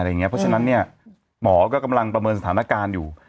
เพราะฉะนั้นหมอก็กำลังประเมินสถานการณ์อยู่